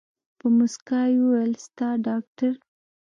په موسکا يې وويل ستا ډاکتر.